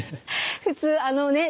普通あのね